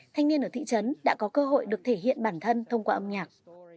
thanh niên ở thị trấn đã có cơ hội được thể hiện bản thân thông qua âm nhạc